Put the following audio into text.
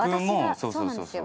そうそうそうそう。